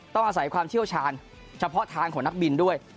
ต้องอาศัยความเชี่ยวชาญเฉพาะทางของนักบินด้วย